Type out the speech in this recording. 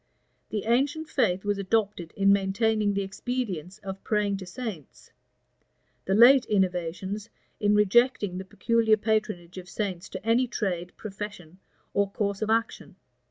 The ancient faith was adopted in maintaining the expedience of praying to saints; the late innovations in rejecting the peculiar patronage of saints to any trade, profession, or course of action.